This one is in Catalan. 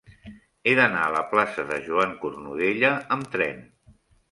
He d'anar a la plaça de Joan Cornudella amb tren.